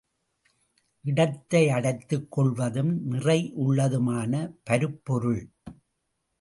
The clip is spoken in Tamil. இடத்தை அடைத்துக் கொள்வதும் நிறை உள்ளதுமான பருப்பொருள்.